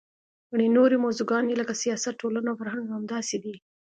ګڼې نورې موضوعګانې لکه سیاست، ټولنه او فرهنګ همداسې دي.